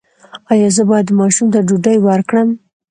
ایا زه باید ماشوم ته ډوډۍ ورکړم؟